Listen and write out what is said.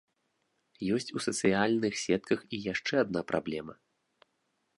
Ёсць у сацыяльных сетках і яшчэ адна праблема.